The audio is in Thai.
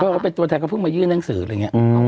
เขาเป็นตัวแทนเขาเพิ่งมายื่นหนังสืออะไรอย่างนี้